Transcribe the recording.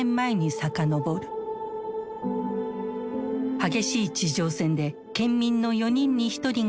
激しい地上戦で県民の４人に１人が犠牲となった沖縄。